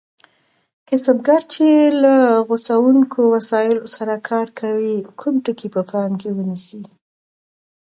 کسبګر چې له غوڅوونکو وسایلو سره کار کوي کوم ټکي په پام کې ونیسي؟